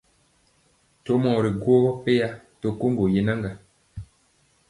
Ntomɔɔ ri gwɔ peya to koŋgo yenaŋga.